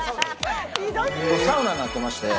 サウナになってまして。